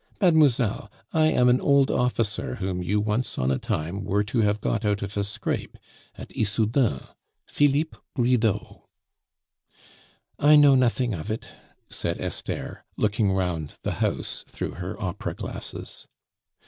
Mademoiselle, I am an old officer whom you once on a time were to have got out of a scrape at Issoudun Philippe Bridau " "I know nothing of it," said Esther, looking round the house through her opera glasses.